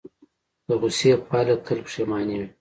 د غوسې پایله تل پښیماني وي.